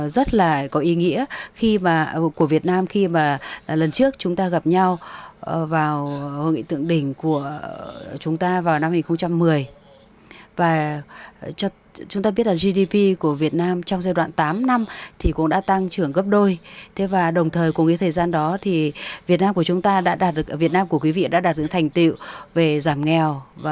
đồng thời cùng với thời gian đó việt nam của quý vị đã đạt được thành tựu về giảm nghèo